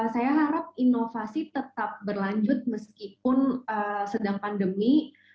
saya harap inovasi tetap berlanjut meskipun sedang pandemi